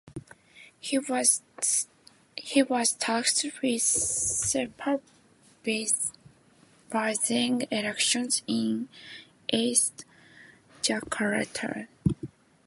He was tasked with supervising elections in East Jakarta.